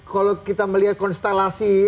kalau kita melihat konstelasi pemberitaan beberapa orang